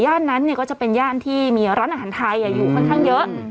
นั้นก็จะเป็นย่านที่มีร้านอาหารไทยอยู่ค่อนข้างเยอะ